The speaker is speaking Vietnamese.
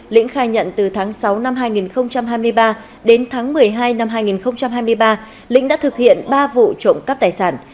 lĩnh khai nhận từ tháng sáu năm hai nghìn hai mươi ba đến tháng một mươi hai năm hai nghìn hai mươi ba lĩnh đã thực hiện ba vụ trộm cắp tài sản